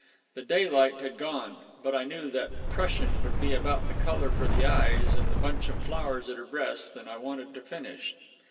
The daylight had gone, but I knew that "Prussian" would be about the colour for the eyes and the bunch of flowers at her breast, and I wanted to finish.